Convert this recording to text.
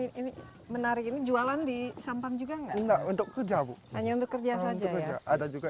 ini menarik ini jualan di sampan juga enggak untuk kerja bu hanya untuk kerja saja ada juga